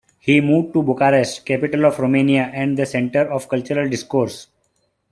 He moved to Bucharest, capital of Romania and the center of cultural discourse.